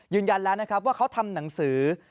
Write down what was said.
ยืนยันแล้วว่าเขาทำหนังสือ